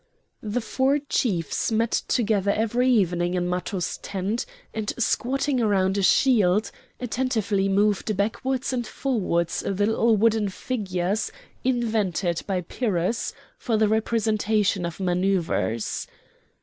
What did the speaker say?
The four chiefs met together every evening in Matho's tent, and squatting round a shield, attentively moved backwards and forwards the little wooden figures invented by Pyrrhus for the representation of manouvres.